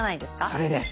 それです。